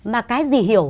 mà cái gì hiểu